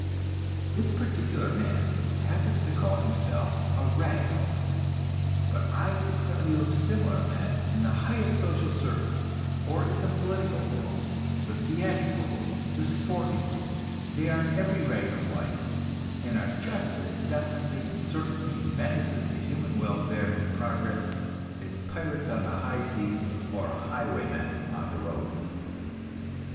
This particular man happens to call himself a "radical"; but I could tell you of similar men in the highest social circles, or in the political world, the theatrical world, the "sporting" world; they are in every rank of life, and are just as definitely and certainly menaces to human welfare and progress as pirates on the high seas or highwaymen on the road.